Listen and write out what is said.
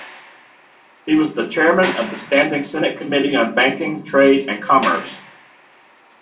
He was the Chairman of the Standing Senate Committee on Banking, Trade and Commerce.